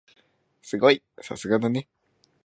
すごい！さすがだね。